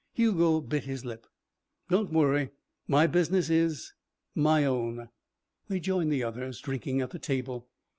Hugo bit his lip. "Don't worry. My business is my own." They joined the others, drinking at the table.